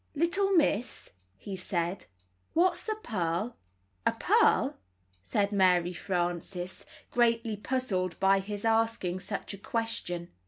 ''Little Miss," he said/' what's a purl?" A pearl?" said Mary Frances, greatly puzzled by his asking such a question.